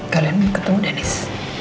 kalian mau ketemu dennis